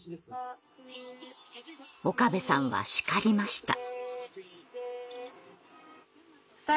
岡部さんは叱りました。